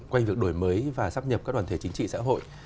quanh việc đổi mới và sắp nhập các đoàn thể chính trị xã hội